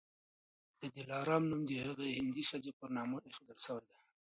د دلارام نوم د هغي هندۍ ښځي پر نامي ایښودل سوی دی.